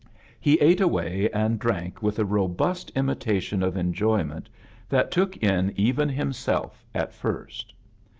He ate away and drank with a robust imitation of enjoyment that took in even himself at first.